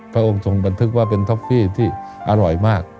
พระองค์ทรงบันทึกว่าเป็นท็อฟฟี่ที่อร่อยมาก